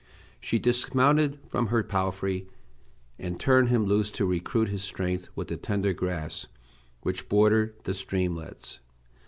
She dismounted from her palfrey, and turned him loose to recruit his strength with the tender grass which bordered the streamlets.